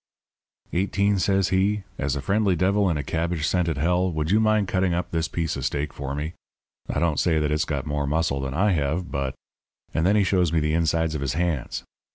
"'Eighteen,' says he, 'as a friendly devil in a cabbage scented hell, would you mind cutting up this piece of steak for me? I don't say that it's got more muscle than I have, but ' And then he shows me the insides of his hands.